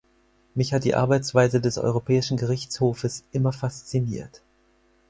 Mich hat die Arbeitsweise des Europäischen Gerichtshofes immer fasziniert.